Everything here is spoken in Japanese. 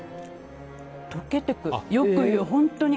溶けてく、よく言う、本当に。